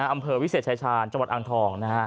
อำเภอวิเศษชายชาญจังหวัดอ่างทอง